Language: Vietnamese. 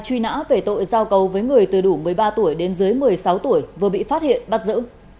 truy nã về tội giao cầu với người từ đủ một mươi ba tuổi đến dưới một mươi sáu tuổi vừa bị phát hiện bắt giữ